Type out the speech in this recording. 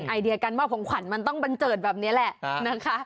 ไอเดียการมอบของขวัญมันต้องบันเจิดแบบนี้แหละนะคะ